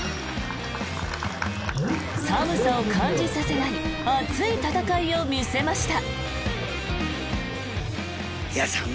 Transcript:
寒さを感じさせない熱い戦いを見せました。